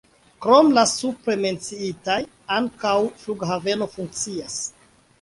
Krom la supre menciitaj ankaŭ flughaveno funkcias.